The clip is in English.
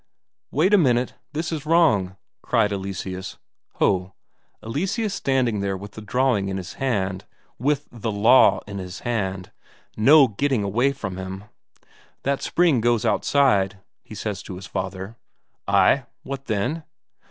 "Wait a minute this is wrong," cried Eleseus. Ho, Eleseus standing there with the drawing in his hand, with the Law in his hand; no getting away from him! "That spring there goes outside," he says to his father. "Ay, what then?"